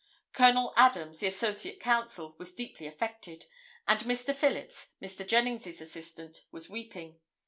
Col. Adams, the associate counsel, was deeply affected, and Mr. Phillips, Mr. Jennings' assistant, was weeping.